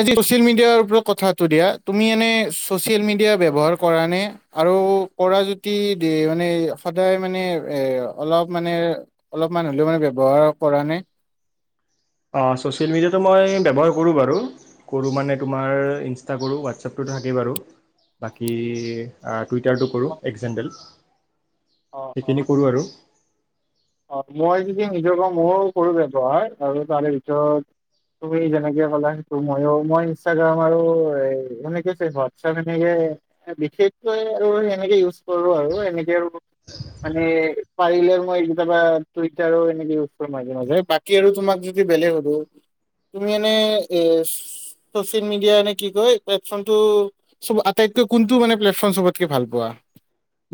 আজি আমি ছ'চিয়েল মিডিয়াৰ ওপৰত কথা পাতোঁ দিয়া, তুমি এনেই ছ'চিয়েল মিডিয়া ব্যৱহাৰ কৰা নে? আৰু কৰা যদি মানে ফাদাৰ মানে ৰে অলপ মানে অলপমান হলেওঁ ব্যৱহাৰ কৰা নে? অ', ছ'চিয়েল মিডিয়াটো মই ব্যৱহাৰ কৰোঁ বাৰু, কৰোঁ মানে তোমাৰ ইনষ্টা কৰোঁ, হোৱাটছএপটোত থাকেই বাৰু বাকী টুইটাৰটো কৰোঁ, অ এক্স জেণ্ডেল। অ অ সেইখিনি কৰোঁ আৰু অ', মই যদি নিজৰ পৰা ময়ো কৰোঁ ব্যৱহাৰ আৰু তাৰে ভিতৰত তুমি যেনেকে ক'লা সেইটো মইও মই ইনষ্টাগ্ৰাম আৰু মানে কি হৈছে হোৱাটছএপ এনেকে বিশেষকৈ আৰু এনেকে ইউজ কৰোঁ আৰু এনেকে আৰু মানে পাৰিলে মই বা টুইটাৰো উইজ কৰোঁ মাজে মাজে বাকী আৰু তোমাক যদি বেলেগ শুধো তুমি এনে এ ছ'চিয়েল মিডিয়া কি কয় [unintelligible] আটাইতকৈ কোনটো মানে প্লেটফৰ্ম চবতকে ভাল পোৱা?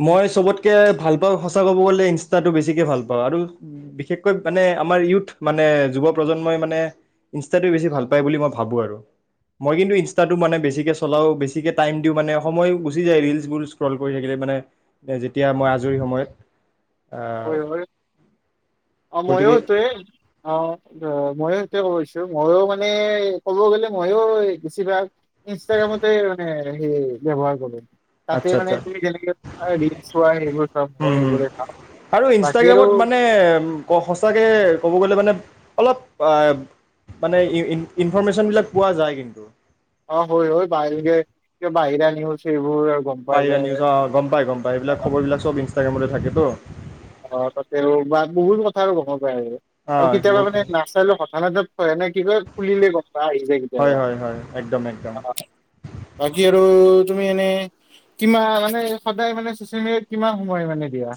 মই চবতকে ভাল পাওঁ সঁচা ক'ব গ'লে ইনষ্টাটো বেছিকে ভাল পাওঁ আৰু বিশেষকৈ মানে আমাৰ ইউথ মানে যুৱ প্ৰজন্মই মানে ইনষ্টাটোৱে বেছি ভাল পায় বুলি মই ভাবোঁ আৰু মই কিন্তু ইনষ্টাটো মানে বেছিকে চলাওঁ বেছিকে টাইম দিওঁ মানে সময় গুচি যায় ৰীলচবোৰ স্ক্ৰল' কৰি থাকিলে মানে যেতিয়া মই আজৰি সময়ত আহ। হয় হয় অ', ময়ো গতিকে [unintelligible] অ। অহ, ময়ো সেইটোয়ে কব খুজিছোঁ, ময়ো মানে ক'ব গ'লে, ময়ো বেছিভাগ ইনষ্টাগ্ৰামতে মানে হেই ব্যৱহাৰ কৰোঁ। তাতে আচ্ছা মানে আচ্ছা তুমি কেনেকে ৰীল চোৱা এইবোৰ চব মই উম, এইবোৰে কাম। বাকী আৰু ক সঁচাকৈ ক'ব গ'লে মানে অলপ আহ মানে ইন-ইনফৰৰ্মেশ্যনবিলাক পোৱা যায় কিন্তু। অ' হয়-হয়। বাহিৰে এ বাহিৰা নিউজ সেইবো বাহিৰা নিউজ, অ' গম পায়, গম পায়। এইবিলাক খবৰবিলাক চব ইন সেইমতে থাকেতো। অ'। তাতে আৰু বা বহুত কথা আৰু [unintelligible] [unintelligible] আৰু অ' কেতিয়াবা বহুত মানে নাচালও [unintelligible] এনে কি কয় খুলিলে গম পায়, আহি যায় হয় কেতিয়াবা। হয় হয় একদম একদম বাকী আৰু তুমি এনে কি মানে সদায় মানে ছ'চিয়েল মিডিয়াত কিমান সময় মানে দিয়া?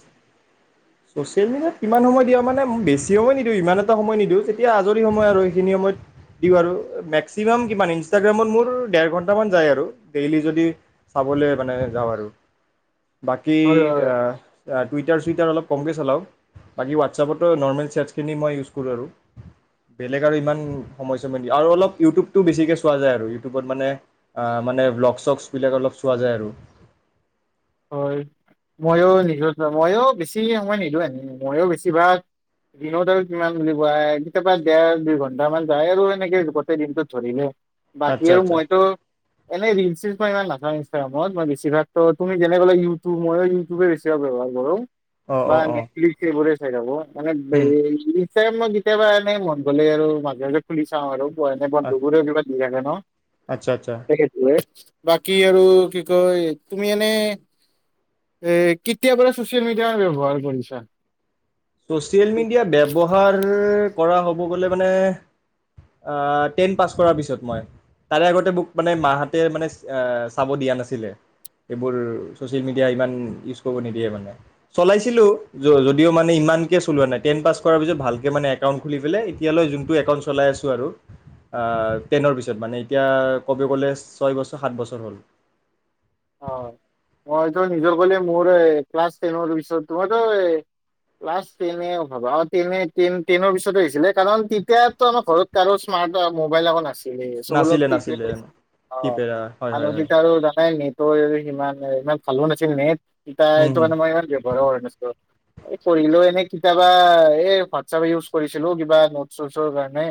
ছ'চিয়েল মিডিয়াত কিমান সময় দিয়া মানে বেছি সময় নিদিওঁ, ইমান এটা সময় নিদিওঁ। তেতিয়া আজৰি সময় আৰু সেইখিনি সময় দিওঁ আৰু। মেক্সিমাম কিমন - ইনষ্টাগ্ৰমত মোৰ দেৰ ঘণ্টামান যায় আৰু ডেইলি যদি চাবলৈ মানে যাওঁ আৰু বাকী হয় হয় অহ-অহ টুইটাৰ চু টুইটাৰ অলপ কমকৈ চলাওঁ। বাকী হোৱাটছআপতো নৰ্মেল চেটছখিনি মই ইউজ কৰোঁ আৰু। বেলেগ আৰু ইমান সময় চময় দি আৰু অলপ ইউটিউবটো বেছিকৈ চোৱা যায় আৰু, ইউটিউবত মানে আহ মানে ব্ল'গ চক্স বিলাক অলপ চোৱা যায় আৰু। হয়, ময়ো নিদিওঁ। ময়ো বেছি মই নিদিও এনে। ময়ো বেছি ভাগ দিনত আৰু কিমান বুলি কোৱা কেতিয়াবা দেৰ দুই ঘন্টামান যায় আৰু এনেকে গোটেই দিনটোত ধৰিলে। বাকী আচ্ছা আৰু আচ্ছা মইতো, এনেই ৰিল চিল মই ইমান নাচাওঁ ইন মই মই বেছিভাগতো তুমি যেনে কলা ইউটিউব ময়ো ইউটিউব বেছি ব্যৱহাৰ কৰোঁ। অঁ বা অঁ অঁ নেটফ্লিশ এইবোৰে [unintelligible] মানে [unintelligible] [unintelligible] কেতিয়াবা এনেই মন গ'লে আৰু মাজে মাজে খুলি চাওঁ আৰু। [unintelligible] [unintelligible] [unintelligible] আচ্ছা আচ্ছা বাকী আৰু কি কয় তুমি এনে এ কেতিয়া পৰা ছ'চিয়েল মিডিয়া ব্যৱহাৰ কৰিছা? ছ'চিয়েল মিডিয়া ব্যৱহাৰ কৰা হ'ব গ'লে মানে আ, টেন পাছ কৰাৰ পিছত মই, তাৰে আগতে মোক মানে মা হঁতে মানে এ চাব দিয়া নাছিলে, এইবোৰ ছ'চিয়েল মিডিয়া ইমান ইউজ কৰিব নিদিয়ে মানে, চলাইছিলো, য যদিও মানে ইমান কে চলোৱা নাই, টেন পাছ কৰাৰ পিছত ভালকে মানে একাউণ্ট খুলি পেলাই এতিয়ালৈ যোনটো একাউণ্ট চলাই আছোঁ আৰু আ, টেনৰ পিছত মানে, এতিয়া ক'ব গ'লে ছয় বছৰ, সাত বছৰ হ'ল। অ', মইটো নিজৰ বুলি মোৰেএ ক্লাছ টেনৰ পাছত তোমাৰ এ ক্লাছ টেনৰ ভাবা টেনে টে-টে টেনৰ পিছতে আহিছিলে কাৰণ তেতিয়াতো আমাৰ ঘৰত কাৰো স্মাৰ্ট মবাইল এক নাছি নাছিলে নাছিলে [unintelligible] অ', কিপেড হয় হয় হয় আনদত আৰু জানাই নেট ইমান ইমান ভালো নাছিল নেট ই তাই হুম হুম তুমানে মই ইমান ব্যৱহাৰ কৰা নাছিলো। এই কৰিলো এনে কিতাবা এ হোৱাটছাপ ইউজ কৰিছিলো কিবা নোট চটছৰ কাৰণে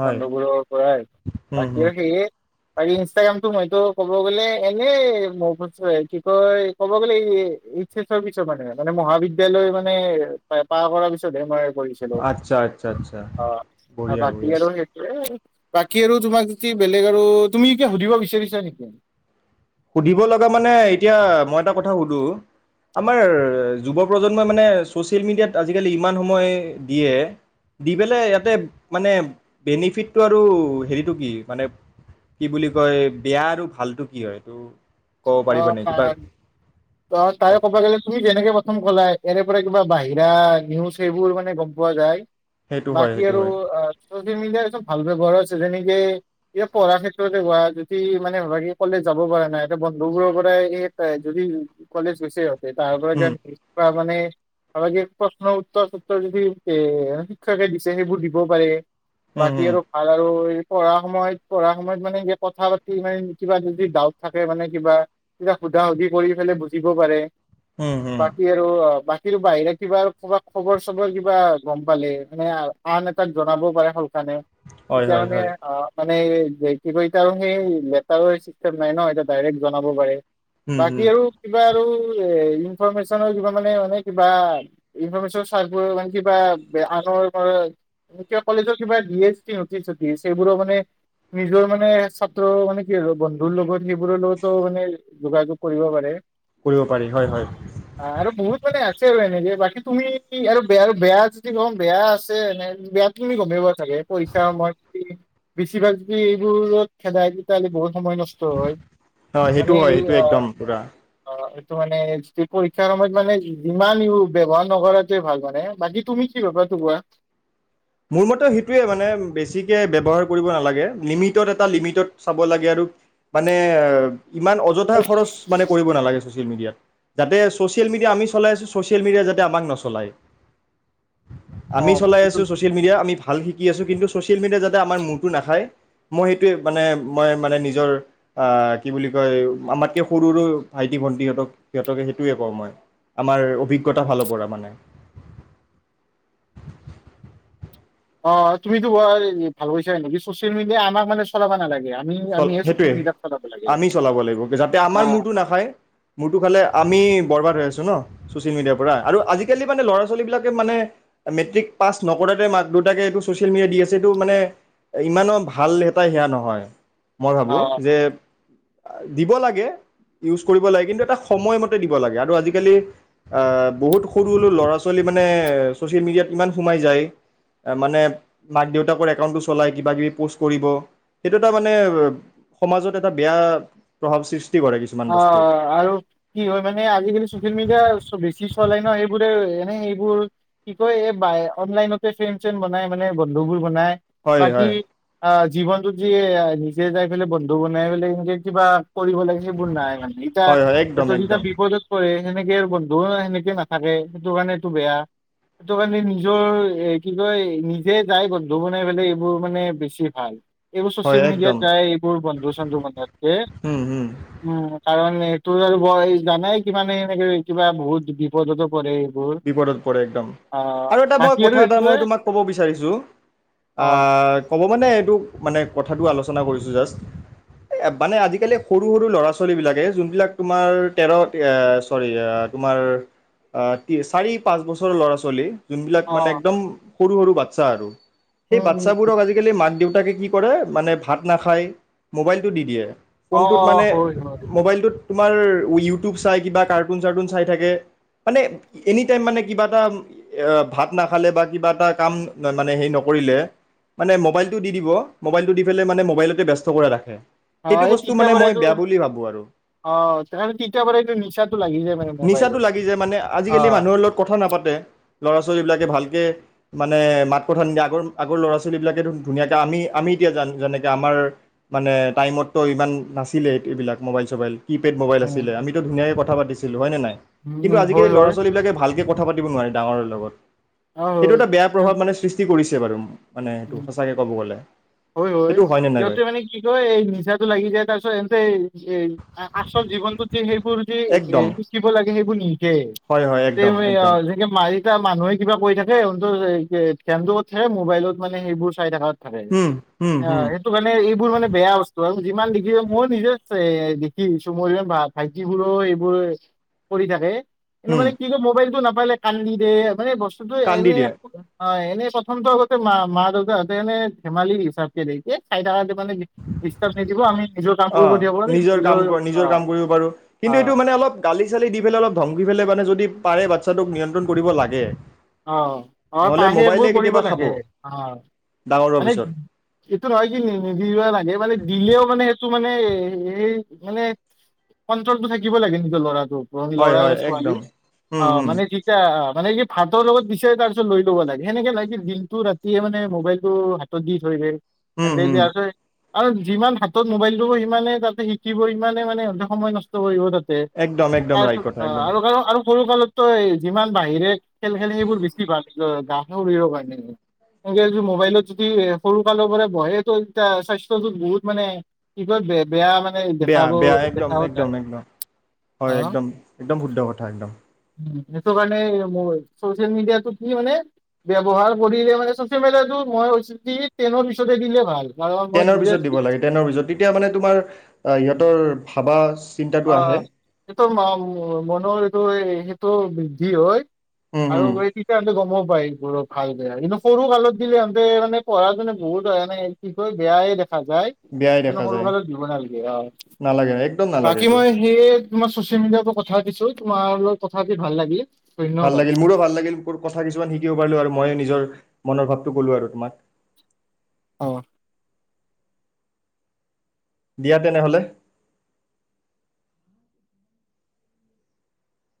হয় বন্ধুবোৰৰ পৰাই হুম বাকী হুম সেইয়ে। পাৰিলে ইনষ্টাগ্ৰামতো মইতো ক'ব গ'লে এনেই মোৰ কি কয় কব গ'লে এইছ‌ এছৰ পিছত মানে মানে মহাবিদ্যালয় মানে পাৰ কৰাৰ পিছতহে মই কৰিছিলো আচ্ছা আচ্ছা আচ্ছা অ আৰু বঢ়িয়া বাকী বঢ়িয়া আৰু সেইটোৱে। বাকী আৰু তোমাক যদি বেলেগ আৰু তুমি ক সুধিব বিচাৰিছা নেকি? সুধিব লগা মানে এতিয়া মই এটা কথা সুধো আমাৰ যুৱ প্ৰজন্ম মানে ছচিয়েল মিডিয়াত আজিকালি ইমান সময় দিয়ে দি পেলাই ইয়াতে মানে বেনিফিটটো আৰু হেৰিটো কি মানে কি বুলি কয় বেয়া আৰু ভালটো কি হয়? এইটো ক'ব অ পাৰিবা নে কিবা? অ তাই ক'বা গ'লে তুমি যেনেকে প্ৰথম কলাই এনে পৰা কিবা বাহিৰা নিউজ সেইবোৰ মানে গম পোৱা যায় সেইটো হয় বাকি সেইটো আৰু হয় আৰু আ মিয় চব ভাল ব্ৱহাৰ আছে যেনেকে এতিয়া পঢ়াৰ ক্ষেত্ৰতে হোৱা যদি মানে কলে যাব পৰা নাই এতিয়া বন্ধু বোৰৰ পৰা যদি কলেজ গছে। তাৰ পৰা যে উম নি মানে আৰুাগে প্ৰশ্ন উত্তৰ চত্তৰ যদি এ শিক্ষকে দিছে সেইবোৰ দিব পাৰে। উম বাকী হুম আৰু খাল আৰু ঐ পঢ়া সময়ত পঢ়া সময়ত মানে কথা পাতি মানে কিবা যদি ডাউট থাকে মানে কিবা কিব সুধা সুধি কৰি পেলু। দিব পাৰে উম হুম বাকি আৰু বাক কিৰ বাহিৰে কিবা কা খবৰ চবৰ কিবা গম পালে মানে আন এটাক জনাব পাৰে। মানে হয় এতিয়া হয় মানে হয় অ মানে কি ক এতি আৰু সেই লেটাৰ চিষ্টেম নাই ন এ ডাইৰেক্ট জনাব পাৰে। উম বাকী হুম আৰু? কিবা আৰু এ ইনফৰমেশচনৰ কিবা মানে মানে কিবা ইনফৰৰ্মেশনৰ চাৰ মানে কিবা আনৰ কিবা কলেজৰ কিবা দি এছ কি নটিচটিচ সেইবোৰৰ মানে নিজৰ মানে ছাত্ৰ মানে কি বন্ধুৰ লগত সেইবোৰৰ লগতো মানে যোগাযোগ কৰিব পাৰে। কৰিব পাৰি হয় হয়। ছে আৰু এনেকে বাকী তুমি আৰু বেয়া বেয়া যদি গ'ম বেয়া আছে এনে বেয়া তুমি গমেই পা চাগে পইচা সময় বেছিভাগ যদি এইবোৰত খেদাই তেতিয়াহলে বহুত সময় নষ্ট হয় হয় মানে সেইটো হয় সেইটো একদম পুৰা এইটো মানে, পৰীক্ষাৰ সময়ত, মানে, ইমান ব্যৱহাৰ নকৰাটোৱেই ভাল। মানে, বাকী তুমি কি ভাবা? সেইটো কোৱা। মোৰ মতে, সেইটোৱেই, মানে, বেছিকে ব্যৱহাৰ কৰিব নালাগে। লিমিটত, এটা লিমিটত, চাব লাগে, আৰু মানে ইমান অযথা খৰচ, মানে, কৰিব নালাগে ছচিয়েল মিডিয়াত। যাতে ছচিয়েল মিডিয়া আমি চলাই আছোঁ, ছচিয়েল মিডিয়াই যাতে আমাক নচলায়। অ সেইটো এতিয়া আমি ভাল শিকি আছোঁ, কিন্তু ছ'চিয়েল মিডিয়াই যাতে আমাৰ মূৰটো নাখায়। মই সেইটোৱেই, মানে, মই মানে, নিজৰ, আ, কি বুলি কয়, আমাতকৈ সৰু-সৰু ভাইটি-ভণ্টিহঁতক, সিহঁতক সেইটোৱেই কওঁ মই। আমাৰ অভিজ্ঞতাৰ ফালৰ পৰা, মানে অ', তুমিতো বৰ ভাল পাইছা নেকি? ছ'চিয়েল মিডিয়াই আমাক, মানে, চলাব নালাগে আমি চল, আমিহে ছচিয়েল সেইটোৱেই মিডিয়াত চলাব লাগে আমি চলাব লাগিব, যাতে অ আমাৰ মূৰটো নাখায়। মূৰটো খালে, আমি বৰবাদ হৈ আছোঁ ন, ছ'চিয়েল মিডিয়াৰ পৰা? আৰু আজিকালি, মানে, ল'ৰা-ছোৱালীবিলাকে, মানে, মেট্ৰিক পাছ নকৰাতেই মাক-দেউতাকে এইটো ছ'চিয়েল মিডিয়া দি আছে। এইটো, মানে, ইমানো ভাল এটা সেয়া নহয়। মই ভাবোঁ অ যে দিব লাগে, ইউজ কৰিব লাগে, কিন্তু এটা সময়মতে দিব লাগে। আৰু আজিকালি, আ, বহুত সৰু-সৰু ল'ৰা-ছোৱালী, মানে, ছ'চিয়েল মিডিয়াত ইমান সোমাই যায়। মানে, মাক-দেউতাকৰ একাউণ্টটো চলাই, কিবা-কিবি প'ষ্ট কৰিব, সেইটো এটা, মানে মানে, সমাজত এটা বেয়া প্ৰভাৱ সৃষ্টি কৰে কিছুমান অ', বস্তু আৰু কি হয়, মানে, আজিকালি ছ'চিয়েল মিডিয়া বেছি চলে ন? সেইবোৰে মানে, এইবোৰ কি কয়, এই অনলাইনতে ফেন-চেন বনাই, মানে, বন্ধুবোৰ বনাই। হয় বাকি, হয় আ জীৱনতো যিয়ে নিজে যাই পেলাই, বন্ধু বনাই পেলাই, এনেকৈ কিবা কৰিব সেইবোৰ নাই আৰু [unintelligible] হয় হয় একদম সেইটো যেতিয়া একদম বিপদত পৰে সেনেকে বন্ধু সেনেকে নাথাকে। সেইটো কাৰণেটো বেয়া। সেইটো কাৰণে নিজৰ, এ, কি কয়, নিজে যাই বন্ধু বনাই পেলাই, এইবোৰ মানে বেছি ভাল। এইবোৰ হয় চ'চিয়েল মিডিয়াত একদম যায়। এইবোৰ বন্ধু-চন্ধু বনোৱাতকে হুম হুম কাৰণ, এইটোৰ আৰু ভয় জানাই। কিমানে, এই কিবা, বহুত বিপদতো পৰে। এইবোৰ। বিপদত পৰে, একদম। অ' আৰু এটা বাকী আৰু কথা মই এইটোৱে তোমাক ক'ব বিচাৰিছোঁ, আ অ' ক'ব, মানে, এইটো, মানে, কথাটো আলোচনা কৰিছোঁ। জাষ্ট, মানে, আজিকালি সৰু-সৰু ল'ৰা-ছোৱালীবিলাকে, যোনবিলাক তোমাৰ তেৰ, চ'ৰি, তোমাৰ, আ চাৰি-পাঁচ বছৰৰ ল'ৰা-ছোৱালী। যোনবিলাক মানে অ' একদম সৰু-সৰু বাচ্চা, আৰু সেই উম, উম, উম, বাচ্চাবোৰক, আজিকালি, মাক-দেউ তাকে, কি কৰে, মানে, ভাত নাখায়, মোবাইলটো দি দিয়ে। অ' ফোনটোত অ' মানে, হয়, হয়। মোবাইলটোত তোমাৰ ইউটিউব চাই, কিবা কাৰ্টুন-চাৰ্টুন চাই থাকে, মানে এনি টাইম, মানে, কিবা এটা, আ ভাত নাখালে, বা কিবা এটা কাম, মানে, হেৰি, নকৰিলে, মানে, মোবাইলটো দি দিব। মোবাইলটো দি পেলাই, মানে, মোবাইলতেই ব্যস্ত কৰাই ৰাখে। অ', সেইটো এই বস্তু তেতিয়াৰ মানে পৰাই মই এইটো। বেয়া বুলি ভাবোঁ আৰু অ', তথাপিও তেতিয়াৰ পৰাই এইটো নিচাটো লাগি যায়, মানে, নিচাটো মোবাইলত লাগি যায় মানে আজিকালি মানুহৰ লগত কথা নাপাতে। ল'ৰা-ছোৱালীবিলাকে ভালকে, মানে, মাত-কথা নিদিয়ে। আগৰ-আগৰ ল'ৰা-ছোৱালীবিলাকেতো ধুনীয়াকে। আমি, আমি এতিয়া যেনেকে, আমাৰ মানে টাইমততো ইমান নাছিলে, এইবিলাক মোবাইল-চবাইল। কি-পেড মোবাইল আছিলে। উম, আমিটো ধুনীয়াকে কথা থা পাতিছিলো হয় নে নাই। উম। হয়, সেই হয়, ল'ৰা-ছোৱালী বিলাকে ভালকে কথা পাতিব নোৱাৰে, ডাঙৰৰ লগত। অ' এইটো হয়। এটা বেয়া এম, প্ৰভাৱ মানে সৃষ্টি কৰিছে। চে বাৰুম। উম, হয়, হয়, সেইটো হয়নে নাই সিহতে বাৰু মানে কি কয় এই নিচাটো লাগি যায় তাৰপিছত এন্তে এই- এই, আ-আচল জীৱনটোত যে সেইবোৰ এই যে, একদম শিকিব লাগিব জি আহিব নি? কে হয় হয় একদম একদম [unintelligible] যেনকে মাইক এয়া মানুহে কিবা কৰি থাকে [unintelligible] মোবাইলত মানে সেইবোৰ চাই থাকাত হুম হুম [inaudible] অ, হুম সেইটো কাৰণে এইবোৰ মানে বেয়া বস্তু আৰু যিমান দেখিব মইো নিজে [unintelligible] ভাইটিবোৰো এইবোৰ কৰি থাকে। এনে হুম মানে কি ক মবাইলটো নাপ মোবাইলে কান্দি দে সচাঁকে তোকতো এন কান্দি হে দিয়ে হয়, এনেই প্ৰথমটো আগতে মা। মা দেউতা হাতে এনেই ধেমালি হিচাপে অ, কৰি থাকিব পাৰি নিজৰ কাম কৰ নিজৰ অ' কাম কৰিব পাৰো কিন্তু অ' এইটো মানে অলপ গালি-চালি দি পেলাই অলপ ধমকি পেলাই মানে যদি পাৰে বাচ্ছাটোক নিয়ন্ত্ৰণ কৰিব লাগে। অ, অ, নহ'লে বাহিৰে এই মোবাইলে বোৰ কৰিব কেতিয়াবা খাব লাগে, অ', ডাঙৰ হোৱাৰ পিছত মোবাইল দিলেও মানে এইটো মানে এই, মানে কন্ট্ৰলটো থাকিব লাগে নিজৰ ল'ৰাটোৰ তহতি হয় ল'ৰা হয় ছোৱালী, একদম অ উম উম মানে কি কয় অ মানে কি তোৰ লগত দিছে তাৰপিছত লৈ ল'ব নেকি সেনেকে না কি দিনটো ৰাতিয়ে মানে মোবাইলতটো হাতত দি থৈ যায়। উম সেন তে দি উম আছৈ আৰু যিমান হাতত মোবাইল দিব সিমানে তাতে শিকিব ইমানে মানে সময় নষ্ট কৰিব তাত তে একদম একদম তাৰ ৰাইট পিছত কথা একদম আৰু আৰু সৰু কালতো যিমান বাহিৰে। খেল খেলে সেইবোৰ বেছি ভাল। গা শৰীৰৰ কাৰণে, মোবাইলত যদি সৰু কালৰ পৰা বহে তো এতিয়া স্বাস্থ্যতটো বহুত মানে বে বেয়া মানে দেখাব বেয়া-বেয়া দেখাব যায়। একদম-একদম-একদম হয়, অ'। একদম-একদম শুদ্ধ কথা একদম। উম, সেইটো কাৰণে মই চচিয়েল মিডিয়াটো কি মানে, ব্যৱহাৰ কৰিলে মানে চচিয়েল মিডিয়াটো মই কৈছোঁ কি টেনৰ পিছতে দিলে ভাল। কাৰণ মই টেনৰ নিজে পিছত দিব লাগে টেনৰ পিছত তেতি মানে তোমাৰ সিহঁত ৰ ভাবা চিন্তাটো আহে অ' এইটো মনৰ এইটোৱে টো বৃদ্ধি হয় উম আৰু উম এই [unintelligible] গম গম [unintelligible] ভাল বেয়া কিন্তু সৰু কালত দিলেহতে মানে পঢ়া মানে বহুত হয়ে কি বেয়াই দেখ যায় বেয়াই কিন্তু দেখা সৰু যায় কালত দিব নালাগে নালাগে একদম অ নালাগে বাকী এইটো মই সে তোমাৰ চচিয়েল মিডিয়াৰ পৰা কথা পাতিছো তোমাৰ লগত কথা পাতি ভাল লাগিল ভাল ধন্যবাদ। লাগিল মোৰো ভাল লাগিল কথা কিছুমান শিকিব পাৰিলো আৰু মই নিজৰ মনৰ ভাৱটো ক'লো আৰু তোমাক অ' দিয়া তেনেহ'লে